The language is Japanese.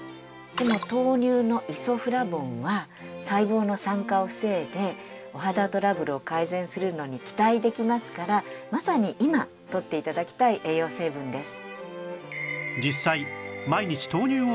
でも豆乳のイソフラボンは細胞の酸化を防いでお肌トラブルを改善するのに期待できますからまさに今とって頂きたい栄養成分です。